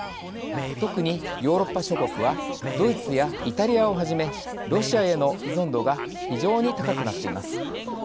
特に、ヨーロッパ諸国はドイツやイタリアをはじめロシアへの依存度が非常に高くなっています。